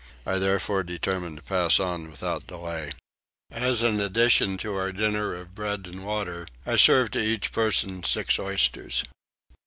I therefore determined to pass on without delay. As an addition to our dinner of bread and water I served to each person six oysters.